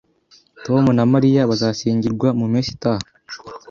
Tom na Mariya bazashyingirwa mu mpeshyi itaha